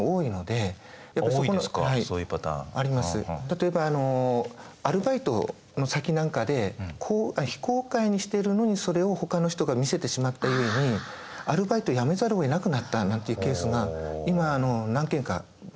例えばアルバイトの先なんかで非公開にしてるのにそれをほかの人が見せてしまった故にアルバイトを辞めざるをえなくなったなんていうケースが今何件か僕もあります。